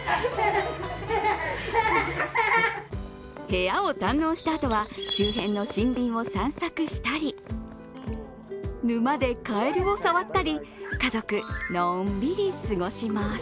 部屋を堪能したあとは周辺の森林を散策したり沼で、カエルを触ったり家族のんびり過ごします。